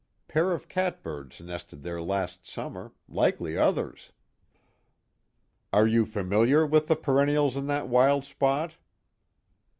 Pair of catbirds nested there last summer, likely others." "Are you familiar with the perennials in that wild spot?"